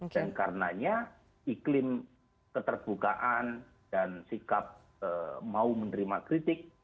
dan karenanya iklim keterbukaan dan sikap mau menerima kritik